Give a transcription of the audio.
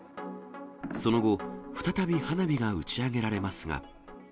その後、再び花火が打ち上げられますが。